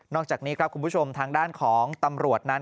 อกจากนี้ครับคุณผู้ชมทางด้านของตำรวจนั้น